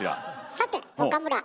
さて岡村。